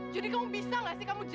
kalau aku harus nyakitin semua